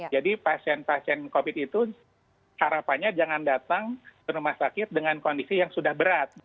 jadi pasien pasien covid itu harapannya jangan datang ke rumah sakit dengan kondisi yang sudah berat